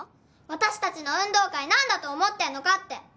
私達の運動会何だと思ってんのかって！